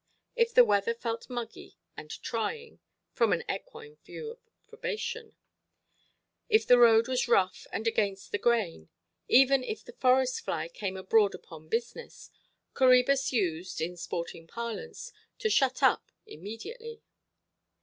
If the weather felt muggy and "trying"—from an equine view of probation—if the road was rough and against the grain, even if the forest–fly came abroad upon business, Coræbus used (in sporting parlance) to "shut up" immediately.